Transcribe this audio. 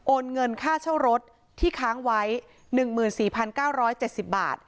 เงินค่าเช่ารถที่ค้างไว้๑๔๙๗๐บาท